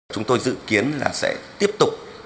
chúng tôi dự kiến là sẽ tiếp tục